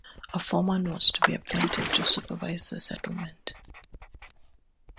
A foreman was to be appointed to supervise the settlement.